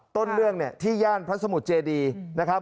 ต้นเรื่องเนี่ยที่ย่านพระสมุทรเจดีนะครับ